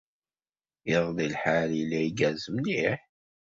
Iḍelli, lḥal yella igerrez mliḥ.